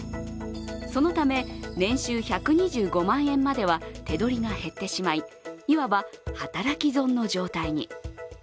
そのため年収１２５万円までは手取りが減ってしまい、いわば、働き損の状態に。